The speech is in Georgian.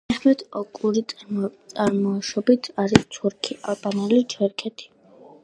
მეჰმეთ ოკური წარმოშობით არის თურქი, ალბანელი, ჩერქეზი.